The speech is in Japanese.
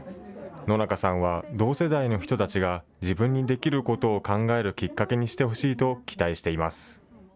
野中さんは同世代の人たちが自分にできることを考えるきっかけにしてほしいと期待しています。